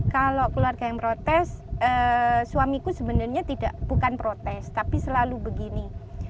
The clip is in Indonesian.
kalau keluarga yang protes suamiku sebenarnya bukan protes tapi selalu begini